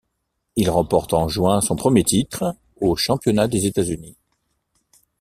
Il remporte en juin son premier titre aux Championnats des États-Unis.